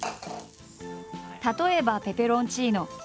例えばペペロンチーノ。